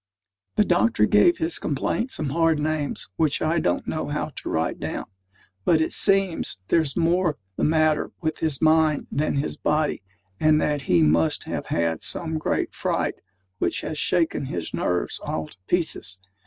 The doctor gave his complaint some hard names which I don't know how to write down; but it seems there's more the matter with his mind than his body, and that he must have had some great fright which has shaken his nerves all to pieces.